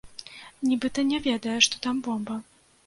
Нібыта не ведае, што там бомба.